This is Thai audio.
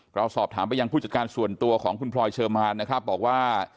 เราสอบถามไปยังผู้จัดการส่วนตัวของคุณพลอยเชอร์มานนะครับบอกว่า